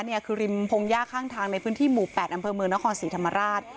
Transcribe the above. เนี่ยคือริมพงหญ้าข้างทางในพื้นที่หมู่๘อำเภอเมืองนครศรีธรรมราช